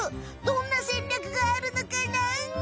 どんな戦略があるのかな？